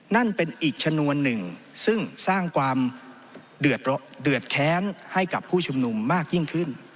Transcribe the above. นั่นเป็นอีกชนวนหนึ่งซึ่งสร้างความเดือดแค้นให้กับผู้ชุมนุมมากยิ่งขึ้น